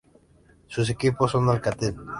Sus equipos son Alcatel.